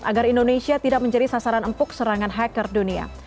agar indonesia tidak menjadi sasaran empuk serangan hacker dunia